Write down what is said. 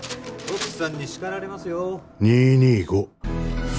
奥さんに叱られますよ